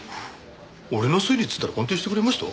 俺の推理って言ったら鑑定してくれました？